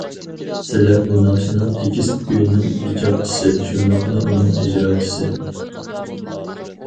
سىلەر بۇ ناخشىنىڭ تېكىست، كۈيىنىڭ ئىجادچىسى، شۇنداقلا ئۇنىڭ ئىجراچىسى.